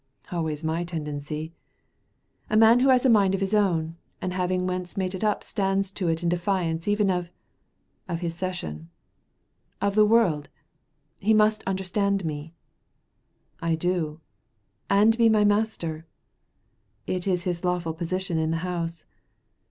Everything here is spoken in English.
"Always my tendency." "A man who has a mind of his own, and having once made it up stands to it in defiance even of " "Of his session." "Of the world. He must understand me." "I do." "And be my master." "It is his lawful position in the house."